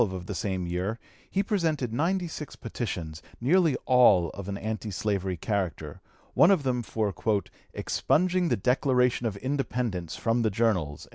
On March 12, of the same year, he presented ninety six petitions, nearly all of an anti slavery character, one of them for "expunging the Declaration of Independence from the Journals."